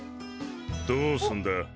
どうすんだ。